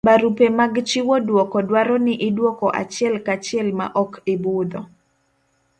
barupe mag chiwo duoko dwaro ni iduoko achiel ka chiel ma ok ibudho